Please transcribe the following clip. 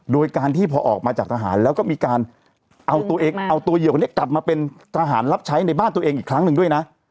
โดยการที่พอออกมาจากทหารแล้วก็มีการเอาตัวเองเอาตัวเหยื่อคนนี้กลับมาเป็นทหารรับใช้ในบ้านตัวเองอีกครั้งหนึ่งด้วยนะ